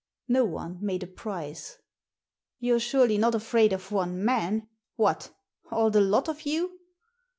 No one made a price. You're surely not afraid of one man? What, all the lot of you?"